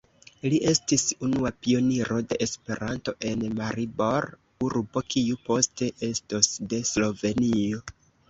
Li estis unua pioniro de Esperanto en Maribor, urbo kiu poste estos de Slovenio.